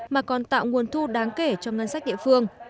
mà còn tạo nguồn thu đáng kể cho ngân sách địa phương